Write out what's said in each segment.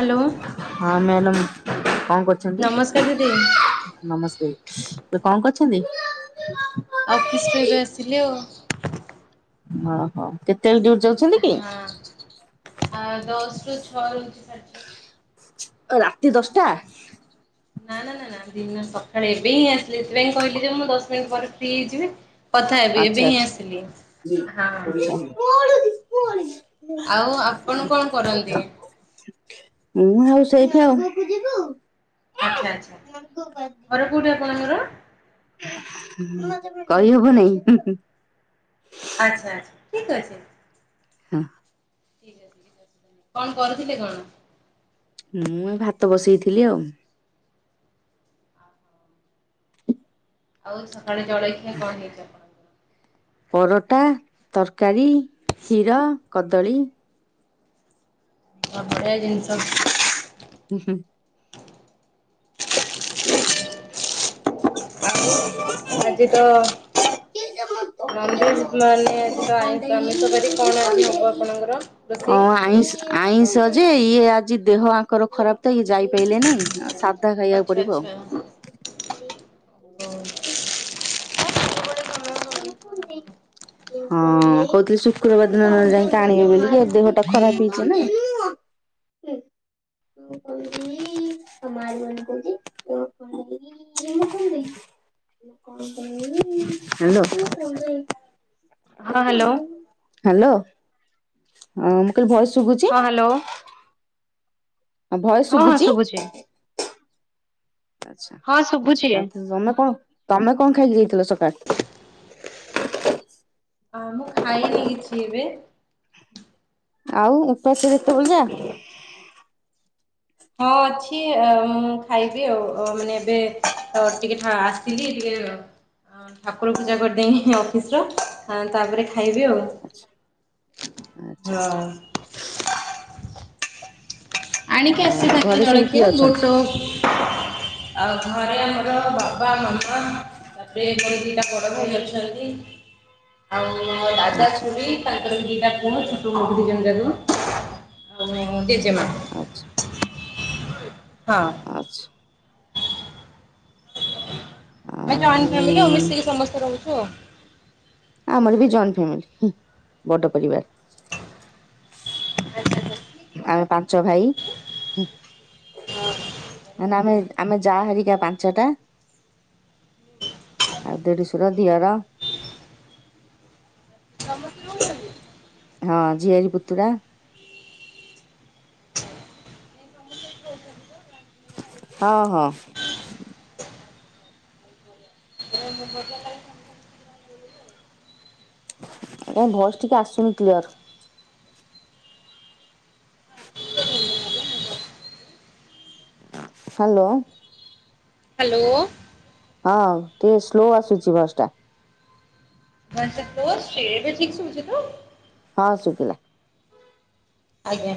Hello ହଁ madam କଣ କରଛନ୍ତି? ନମସ୍କାର ଦିଦି। ନମସ୍ତେ। ତ କଣ କରିଛନ୍ତି? ଆଉ ଅଫିସରୁ ଏବେ ଆସିଲି ଆଉ। ଓହୋ କେତେବେଳେ ଡିଉ ହଁ ଆ ଦଶ ରୁ ଛଅ ରହୁଛି ସାଡେଛ। ରାତି ଦଶଟା? ନା ନା ନା ନା ଦିନ ସକାଳେ ଏବେ ହିଁ ଆସିଲି ସେଥିପାଇଁ କହିଲି ଯେ ମୁଁ ଦଶ ମିନିଟ୍ ପରେ ଫ୍ରି ହେଇଯିବି। କଥା ହେବି ଆଚ୍ଛା ଏବେ ହିଁ ଆଚ୍ଛା। ଆସିଲି ହଁ। ଆଉ ଆପଣ କଣ କରନ୍ତି? ହଁ ଆଉ ସେଇଠି ଆଉ। ଆଚ୍ଛା ଆଚ୍ଛା ଘର କୋଉଠି ଆପଣଙ୍କର? କହିହେବନେଇ। ଆଚ୍ଛା ଆଚ୍ଛା ଠିକ ଅଛି। ଉଁ କଣ କରୁଥିଲେ କଣ? ମୁଁ ଏ ଭାତ ବସେଇଥିଲି ଆଉ। ଆଉ ସକାଳେ ଜଳଖିଆ କଣ ହେଇଛି ଆପଣଙ୍କର? ପରଟା, ତରକାରୀ, କ୍ଷୀର, କଦଳୀ ବଢିଆ ଜିନିଷ। ଉଁହୁଁ ଆଜି ତ [unintelligible] ନନଭେଜ ମାନେ ଆଜି ତ ଆଇଁଷ ଆମିଷ ବାରି କଣ ଆଜି ହବ ଆପଣଙ୍କର ରୋଷେଇ? ହଁ ଆଇଁ ଆଇଁଷ ଯେ ଇଏ ଆଜି ଦେହ ଆଙ୍କର ଖରାପ ତ ଇଏ ଯାଇପାଇଲେନି। ଆଉ ଖାଇବାକୁ ଆଚ୍ଛା ପଡିବ ଆଉ। ଆଚ୍ଛା। ହଁ କହୁଥିଲି ସୁ ଶୁକ୍ରବାର ଦିନ ନହେଲେ ଯାଇକି ଆଣିବେ ବୋଲି ଦେହ ଟା ଖରାପ ହେଇଛିନା। [unintelligible] କଣ କରିବି। ହାଲୋ ହଁ ହ୍ୟାଲୋ ହାଲୋ। ହଁ ମୁଁ କହିଲି ଭୟସ ଶୁଗୁଚି? ହଁ ହ୍ୟାଲୋ ହଁ ଭୟସ୍ ହଁ ଶୁଗୁଚି? ଶୁଭୁଛି ଆଚ୍ଛା ହଁ ଶୁଭୁଛି। ଆ ତମେ କଣ ତମେ କଣ ଖାଇକି ଯାଇଥିଲ ସକା ଆଁ ମୁଁ ଖାଇନି କିଛି ଏବେ। ଆଉ ଉପାସରେ ଏତେବେଳ ଯାଁ? ହଁ ଅଛି ଆଁ ମୁଁ ଖାଇବି ଆଉ ଅ ମାନେ ଏବେ ଅ ଟିକେ ଆସିଥିଲି ଟିକେ [unintelligible] ଅଁ ଠାକୁର ପୂଜା କରିଦେଇଁ ଅଫିସର ଆଁ ତା ପରେ ଖାଇବି ଆଉ। ଆଚ୍ଛା ଆଚ୍ଛା ହଁ ଆଚ୍ଛା। ଆଣିକି ଆଉ ଆସିଚି ଘରେ [unintelligible] ସବୁ କିଏ ଜଳଖିଆ ଅଛନ୍ତି? ବୋଟ ଆଉ ଘରେ ଆମ ର ବାବା, ମାମା ତା ପରେ ମୋର ଦିଇଟା ବଡ ଭାଇ ଅଛନ୍ତି। ଆଉ ମୋ ଦାଦା, ଆଚ୍ଛା ଖୁଡ଼ି ତାଙ୍କ୍ ଙ୍କର ଦିଇଟା ପୁଅ ଛୋଟୁ, ମୋଟୁ ଦିଜଣ ଯାକ ଆଉ ମୋ ଜେଜେମା। ଆଚ୍ଛା ହଁ। ଆଚ୍ଛା ଏ ଜଏଣ୍ଟ ଆଉ ଫ୍ୟାମିଲି ଆଉ ମିଶିକି ସମସ୍ତେ ରହୁଛୁ ଆଉ। ଆମର ବି ଜଏଣ୍ଟ ଫ୍ୟାମିଲି ହୁଁ ବଡ ପରିବାର। ଆଚ୍ଛା ଆଚ୍ଛା। ଆମେ ପାଞ୍ଚ ଭାଇ ହୁଁ। ହଁ। ନା ଭାଇ ଆମେ ଯାଆ ହେରିକା ପାଞ୍ଚେଟା। ଆଉ ଦେଢ଼ୁଶୁର, ଦିଅର ହଁ ଝିଆରୀ, ପୁତୁରା ହଁ ହଁ। [unintelligible] ତମ ଭଏସ୍ ଟିକେ ଆସୁନି କ୍ଲିୟର। ହାଲୋ। ହାଲୋ। ହଁ ଟିକେ ସ୍ଲୋ ଆସୁଛି ଭଏସ୍ ଟା। ଭଏସଟା ସ୍ଲୋ ଆସୁଛି? ଏବେ ଠିକ୍ ଶୁଭୁଛି ତ? ହଁ ଶୁଗିଲା। ଆଜ୍ଞା।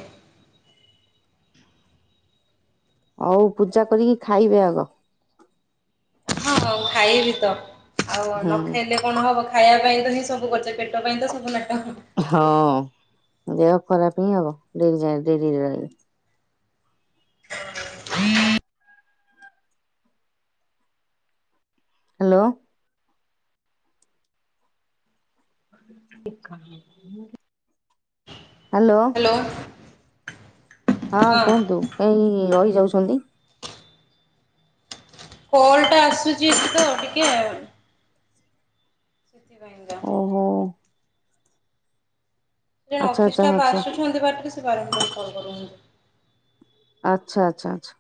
ହଉ ପୂଜା କରିକି ଖାଇବେ ଆଗ। ହଁ ମୁଁ ଖାଇବି ତ। ଆଉ ହୁଁ ନ ଖାଇଲେ କଣ ହବ ଖାଇବା ପାଇଁ ତ ହିଁ ସବୁ କରୁଛେ। ପେଟ ପାଇଁ ତ ସବୁ ନା ହଁ ଦେହ ଖରାପ ହିଁ ହବ। ଡେରି ଯାଏ ଡେରିରେ ରହିଲେ। ହାଲୋ। [unintelligible] ହାଲୋ। ହ୍ୟାଲୋ ହଁ କୁହନ୍ତୁ। କାଇଁ ରହି ଯାଉଛନ୍ତି? କଲଟା ଆସୁଛି [unintelligible] ତ ଟିକେ। ସେଥିପାଇଁକା ସେ ଓହୋ। ଜଣେ ଆଚ୍ଛା ଅଫିସ ଆଚ୍ଛା ଷ୍ଟାପ୍ ଆଚ୍ଛା ଆସୁଛନ୍ତି ବାଟେରେ ସେ ବାର ବାର [unintelligible] କଲ କରୁଛନ୍ତି। ଆଚ୍ଛା ଆଚ୍ଛା ଆଚ୍ଛା।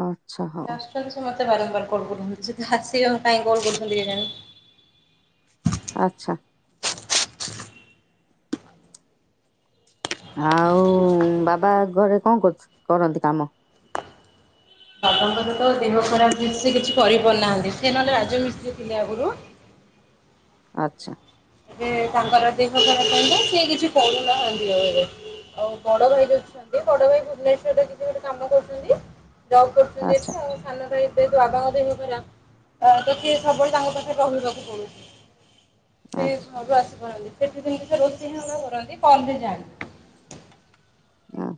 ଅଁ। ସେ ଆସୁଛନ୍ତି ସମ ସେ ବାରମ୍ବାର କଲ୍ କରୁଛନ୍ତି। ସେ ତ ଆସିବେ ଆଉ କାଇଁ କଲ କରୁଛନ୍ତି କେଜାଣି? ଆଚ୍ଛା। ଆଉ ବାବା ଘରେ କଣ କରୁଚ୍ କରନ୍ତି କାମ? ବାବାଙ୍କର ତ ଦେହ ଖରାପ ଯେ ସେ କିଛି କରିପାରୁନାହାଁନ୍ତି। ସେ ନହେଲେ ରାଜ ମିିସ୍ତ୍ରୀ ଥିଲେ ଆଗୁରୁ। ଆଚ୍ଛା। ଏବେ ତାଙ୍କର ଦେହ ଖରାପ ପାଇଁ କା ସେ କିଛି କରୁନାହାନ୍ତି ଆଉ ଏବେ। ଆଉ ବଡ ଭାଇ ଯୋଛନ୍ତି ବଡ ଭାଇ ଭୁବନେଶ୍ୱରରେ ଯେ ଯିଏ ଗୋଟେ କାମ କରୁଛନ୍ତି। ଜବ୍ କରୁଛନ୍ତି ଆଚ୍ଛା ଏଠି। ଆଉ ସାନ ଭାଇ ଯେହେତୁ ବାବାଙ୍କ ଦେହ ଖରାପ ତ କିଏ ସବୁବେଳେ ତାଙ୍କ ପାଖରେ ରହିବାକୁ ପଡ଼ୁଚି। ସେ ଆଚ୍ଛା ଘରୁ ଆସି କରନ୍ତି ସେଠି ସେ ନିଜେ ରୋଷେଇ ହିଁ କରନ୍ତି କଲ୍ ରେ ଯାଆନ୍ତି। ଉଁ।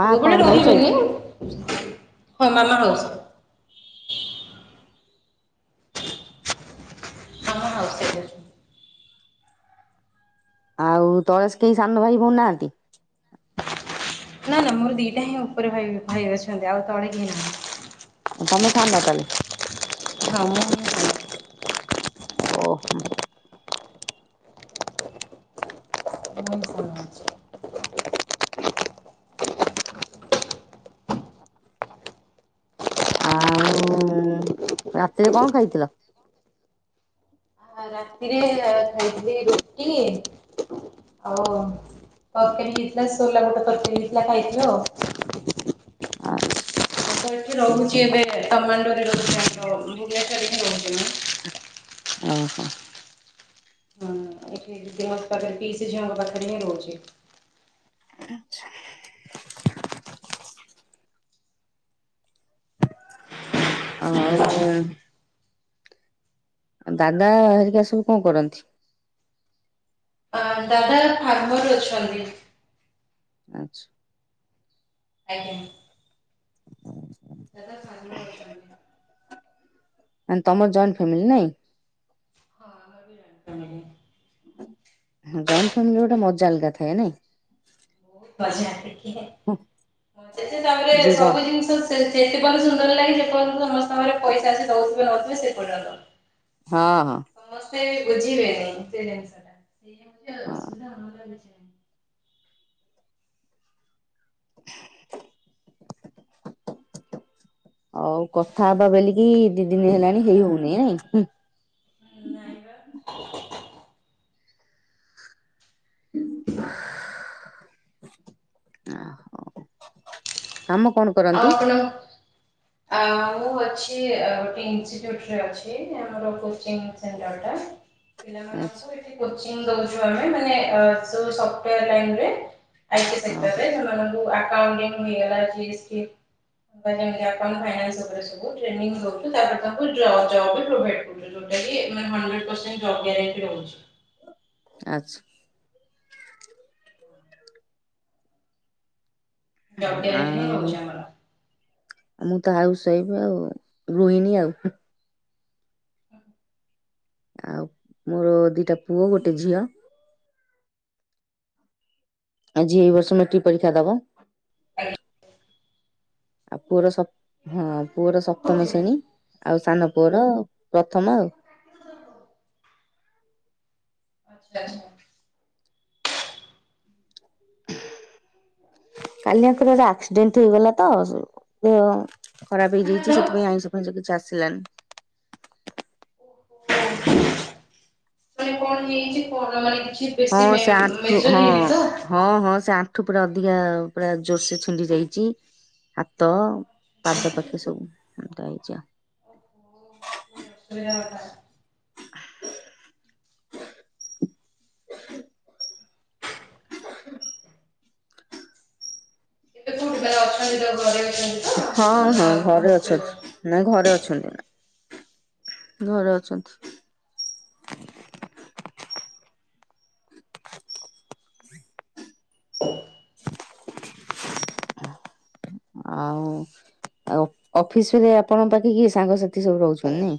ମା କଣ ସବୁବେଳେ ହାଉସ ୱାଇଫ? ରହିବେନି। ହ ମାନା ହଉଛି। ହଁ ହଉ ସେୟା। ଆଉ ତଳେସ୍ କେହି ସାନ ଭାଇ ଭଉଣୀ ନାହାନ୍ତି। ନା ନା ମୋର ଦିଟା ହିଁ ଉପରେ ଭାଇ ଭାଇ ଅଛନ୍ତି ଆଉ ତଳେ କେହି ନାହାନ୍ତି। ତମେ ସାନ ତାଲେ? କାମ [unintelligible] ଓ ହ। ହଁ ସରଳ ଅଛି। ଆଉ ରାତିରେ କଣ ଖାଇଥିଲ? ଆଉ ରାତିରେ ଅ ଖାଇଥିଲି ରୁଟି। ଅ ତ କେମିତି ହେଇଥିଲା ସୋଲାବୁଟ କରିଥିଲି ହେଇଥିଲା ଖାଇଥିଲ। ଆଛ୍ ଆମ୍ ତ ଏଠି ରହୁଚି ଏବେ ତମାଣ୍ଡୋରେ ରହୁଚି ଆମର ଭୁବନେଶ୍ୱରରେ ହିଁ ରହୁଚି ମୁଁ। ଅ ହ। ହଁ ଏଠି [unintelligible] ପାଗରେ ପିଇସି ଝିଅଙ୍କ ପାଖରେ ହିଁ ରହୁଚି। ଆଚ୍ଛା। ଆଉରି। ଦାଦା ହରିକା ସବୁ କଣ କରନ୍ତି? ଦାଦା ଫାର୍ମର ଅଛନ୍ତି। ଆଚ୍ଛା। ଆଜ୍ଞା। ଦାଦା ଫାର୍ମର ଅଛନ୍ତି। ତମର ଜଏଣ୍ଟ ଫ୍ୟାମିଲି ନାଇଁ। ହଁ ଆମର ବି ଜାଣିଚୁ। ଆମେ ବି। ଜଏଣ୍ଟ୍ ଫ୍ୟାମିଲିର ଗୋଟେ ମଜା ଅଲଗା ଥାଏ ନାଇଁ। [unintelligible] ଆସିଥିଲେ। ସେଥିରେ ତାପରେ ଯିଏ ଜ ହଁ ସବୁ ଜିନିଷ ସେ ପର୍ଯ୍ୟନ୍ତ ସୁନ୍ଦର ଲାଗେ ଯେ ପର୍ଯ୍ୟନ୍ତ ସମସ୍ତଙ୍କରେ ପଇସା ଆସି ଦଉଥିବେ ନଉଥିବେ ସେଇ ପର୍ଯ୍ୟନ୍ତ। ହଁ ହଁ। କେହି ବୁଝିବେନି ସେ ଜିନିଷ ହଁ ଟା। ଆଉ କଥା ହବା ବୋଲିକ୍ କି ଦିଦିନି ହେଲାଣି ହେଇ ହଉନି ନାଇଁ ହୁଁ। ନାହିଁ। ନାଇଁ [unintelligible] ନା ହଉ। କାମ କଣ କରନ୍ତି? ଆପଣ ଆଉ ଅଛି ଅ ଗୋଟେ ଇନଷ୍ଟିଚ୍ୟୁଟ୍ ରେ ଅଛି ଆମର କୋଚିଂ ସେଣ୍ଟର୍ ଟା। [unintelligible] ଆଚ୍ଛା ପିଲାମାନଙ୍କୁ ଏଠି କୋଚିଙ୍ଗ ଦଉଚୁ ଆମେ ମାନେ ଅ ସବୁ ସଫ୍ଟୱେର ଲାଇନ୍ ରେ। ଆଇଟି ସେକ୍ଟର୍ ଓହୋ ରେ ଉଁ ଅ ଯୋଉ ଆକଉଣ୍ଟିଙ୍ଗ ବି ହେଲା ଜିଏସ୍ଟି। ଏମାନେ ଆପଣ ଫାଇନାନ୍ସ ଉପରେ ସବୁ ଟ୍ରେନିଂ ଦଉଚୁ, ତାପରେ ତାଙ୍କୁ ଏ ଜବ୍ ବି ପ୍ରୋଭାଇଡ୍ କରୁଚୁ। ଯୋଉଟାକି [unintelligible] ହଣ୍ଡ୍ରେଡ୍ ପରସେଣ୍ଟ୍ ଜବ୍ ଗ୍ୟାରେଣ୍ଟି ରହୁଛି। ଆଚ୍ଛା। ଜବ୍ ଆଁ ଆ। ଗ୍ୟାରେଣ୍ଟି ହିଁ ରହୁଛି ଆମର। ମୁଁ ତ ହାଉସ ୱାଇଫ ଆଉ ରୋହିଣୀ ଆଉ। ଆଉ ମୋର ଦିଟା ପୁଅ ଗୋଟେ ଝିଅ। ଆଜି ଏଇ ବର୍ଷ ମେଟ୍ରିକ୍ ପରୀକ୍ଷା ଦବ। ଆ [unintelligible] ଆଉ ପୁଅର ସପ୍ତ ହଁ ପୁଅର ସପ୍ତମ ଶ୍ରେଣୀ, ଆଚ୍ଛା ଆଉ ସାନ ପୁଅର ପ୍ରଥମ ଆଉ। ଆଚଛା ଆଚଛା। କାଲି ଆଙ୍କର ଗୋଟେ ଆକ୍ସିଡେଣ୍ଟ ହେଇଗଲା ତ [unintelligible] ଖରାପ କାହାର ହେଇଯାଇଚି ସେଥିପାଇଁ ଆଇଁଷ ଫାଇଁଷ କିଛି ଆସିଲାନି ଅହୋ କାଇଁ କଣ ହେଇଚି କହୁନ କାଇଁ କିଛି ହଁ ବେଶୀ ସେ ଆଂଠୁ ମେଜର ହଁ ହେଇନି ତ? ହଁ ହଁ ସେ ଆଂଠୁ ପୁରା ଅଧିକା ଆଉ ପୁରା ଜୋରସେ ଛିଣ୍ଡି ଯାଇଛି। ହାତ, ପାଦ ପାଖେ ସବୁ ଖଣ୍ଡିଆ ହେଇଚି ଆଉ। କେ ଅସୁବିଧା ହେଲା। [unintelligible] ରେ ଅଛନ୍ତି ତ ଘରେ ଅଛନ୍ତି ହଁ ତ ନା ହଁ ଘରେ ହଷ୍ଟେଲରେ? ଅଛନ୍ତି ନାଇଁ ଘରେ ଅ ଛନ୍ତି ଘରେ ଅଛନ୍ତି। ଆଉ ଆଉ ଅଫିସରେ ଆପଣ ପାଖେ କିଏ ସାଙ୍ଗସାଥି ସବୁ ରହୁଚନ୍ତି ନାଁଇ?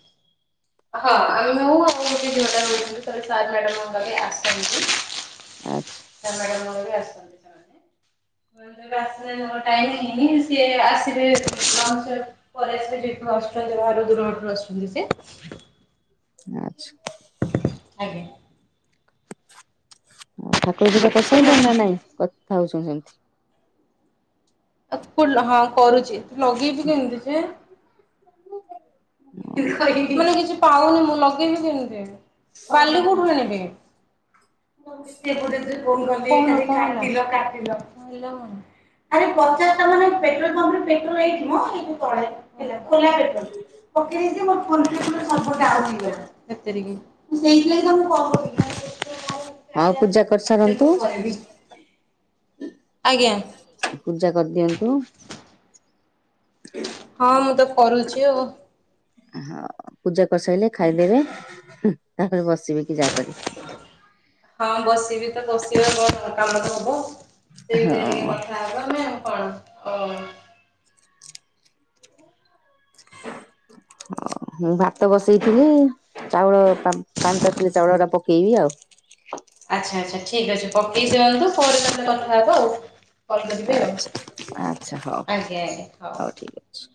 ହଁ ମୁଁ ଆଉ ଦି [unintelligible] [unintelligible] ବ ଆଚ୍ଛା ଆସିନାହାନ୍ତି ଟାଇମ ହେଇନି ସେ ଆସିବେ ତ ଲଞ୍ଚ ପରେ ଆସିବେ [unintelligible] ବାହାରୁ ଦୂର ବାଟରୁ ଆସୁଚନ୍ତି ସେ। ଆଚ୍ଛା। ଆଜ୍ଞା। [inaudible] ଅ ଠାକୁର ପୂଜା କରିସାରିଲେ ନା ନାଇଁ, କଥା ହଉଚନ୍ତି ସେମତି। ଲ୍ ହଁ କରୁଚି, ତୁ ଲଗେଇବି କେମିତି ଜେ? [inaudible] [unintelligible] କିଛି ପାଉନି ମୁଁ ଲଗେଇବି କେମତି, ବାଲି କୋଉଠୁ ଆଣିବି? [unintelligible] ଆରେ ପଚାଶ ଟଙ୍କା ମାନେ ପେଟ୍ରୋଲ ପମ୍ପରେ ପେଟ୍ରୋଲ ହେଇଥି ମ, ଏ ଯୋ ତଳେ ହେଲା ଖୋଲା ପେଟ୍ରୋଲ। ପକେଇ ଦେଇଚି ମୋ ଫୋନ ପେ ସବୁ ଡ଼ାଉଚ୍ ହେଇଗଲା, ମୁଁ ସେଇଥିଲାଗି ତୁମକୁ କଲ୍ କରିଥିଲି। [inaudible] ପୂଜା କରିସାରନ୍ତୁ। [unintelligible] ଆଜ୍ଞା ପୂଜା କରିଦିଅନ୍ତୁ। ହଁ ମୁଁ ତ କରୁଚି ଆଉ। ହଁ ପୂଜା କରିସାରିଲେ ଖାଇଦେବେ, ତାପରେ ବସିବେ କି ଯାହା କରିବେ। ହଁ ବସିବି ତ ବସିବା କଣ କାମ ତ ହବ ଅଉ। ସେଇ ଡେରିରେ ଟିକେ ହଁ କଥା ହେବା ଆମେ ଆଉ କଣ ହଉ। ହଉ। ମୁଁ ଭାତ ବସେଇଥିଲି ଚାଉଳ ପା ପାଣି ତାତିଲେ ଚାଉଳଟା ପକେଇବି ଆଉ। ଆଛା ଆଚ୍ଛା ଠିକ ଅଛି ପକେଇ ସାରନ୍ତୁ ପରେ କେତେବେଳ କଥା ହବା ଆଉ। କଲ୍ କରିବେ ଆଉ ଆଚଛା ଆଚ୍ଛା ହଉ ଆଜ୍ଞା ଆଜ୍ଞା ହଉ ଠିକ ଅଛି।